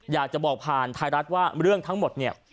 อยากจะบอกผ่านไทยรัฐว่าเรื่องทั้งหมดเนี่ย